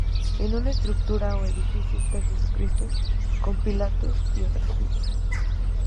En una estructura o edificio está Jesucristo, con Pilatos y otras figuras.